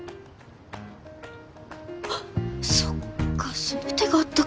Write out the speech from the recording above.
あっそっかその手があったか。